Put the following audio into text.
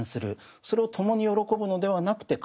それを共に喜ぶのではなくて悲しむ。